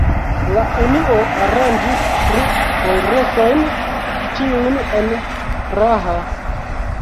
La Unio aranĝis tri kongresojn, ĉiujn en Praha.